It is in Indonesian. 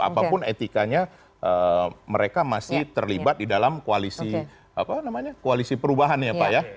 apapun etikanya mereka masih terlibat di dalam koalisi perubahan ya pak ya